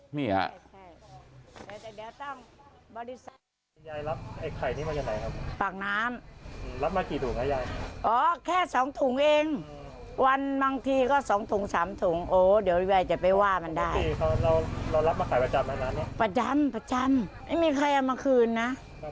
หรือว่ามันแช่เย็นแล้วมันเป็นแต่ยายกินมันก็ดึงนะ